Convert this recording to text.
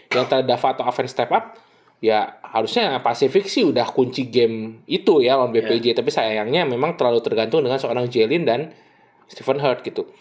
yang terhadap dava atau aven step up ya harusnya pacific sih udah kunci game itu ya on bpj tapi sayangnya memang terlalu tergantung dengan seorang jelin dan stephen heart gitu